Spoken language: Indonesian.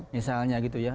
misalnya gitu ya